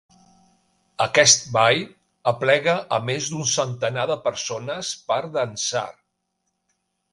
Aquest ball aplega a més d'un centenar de persones per dansar.